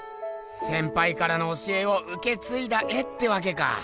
せんぱいからの教えをうけついだ絵ってわけか。